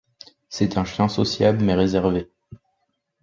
C’est un chien sociable, mais réservé.